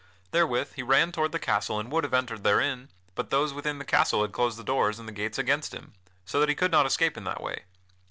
Therewith he ran toward the castle and would have entered therein, but those within the castle had closed the doors and the gates against him, so that he could not escape in that way.